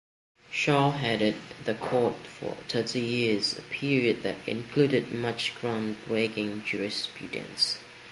Shaw headed the court for thirty years, a period that included much groundbreaking jurisprudence.